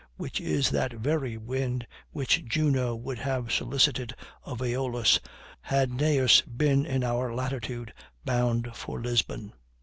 which is that very wind which Juno would have solicited of Aeolus, had Gneas been in our latitude bound for Lisbon.